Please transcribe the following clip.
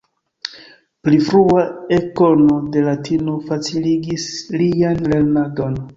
Pli frua ekkono de latino faciligis lian lernadon.